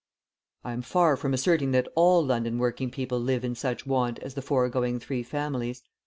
I am far from asserting that all London working people live in such want as the foregoing three families.